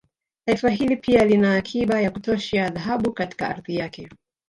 Taifa hili pia lina akiba ya kutosha ya Dhahabu katika ardhi yake